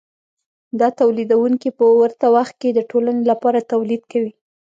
دا تولیدونکي په ورته وخت کې د ټولنې لپاره تولید کوي